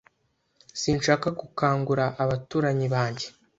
Sinshaka gukangura abaturanyi banjye.